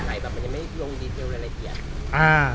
เกิดอะไรขึ้นอะไรคนสงใจบ้างมันยังไม่พออะไรเกียจ